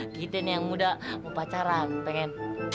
gita nih yang muda mau pacaran pengen